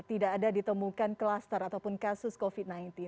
tidak ada ditemukan klaster ataupun kasus covid sembilan belas